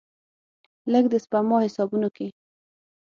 لږ، د سپما حسابونو کې